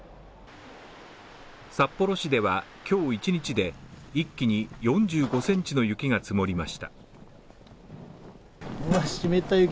札幌市では今日１日で一気に４５センチの雪が積もりました。